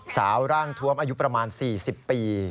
สาวร่างทวมอายุประมาณ๔๐ปี